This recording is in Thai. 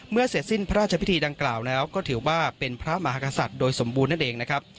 เสร็จสิ้นพระราชพิธีดังกล่าวแล้วก็ถือว่าเป็นพระมหากษัตริย์โดยสมบูรณ์นั่นเองนะครับ